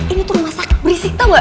ini tuh rumah sakit berisik tau gak